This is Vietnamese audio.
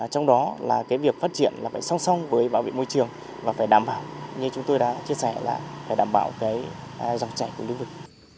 trong đó là cái việc phát triển là phải song song với bảo vệ môi trường và phải đảm bảo như chúng tôi đã chia sẻ là phải đảm bảo cái dòng chảy của lưu vực